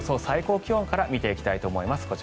最高気温から見ていきたいと思います。